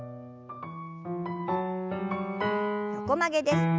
横曲げです。